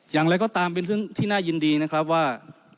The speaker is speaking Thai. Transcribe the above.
อย่างไรก็ตามเป็นเรื่องที่น่ายินดีนะครับว่า